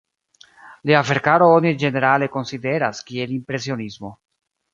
Lia verkaro oni ĝenerale konsideras kiel impresionismo.